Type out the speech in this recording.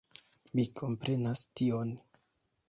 Mi komprenas tion.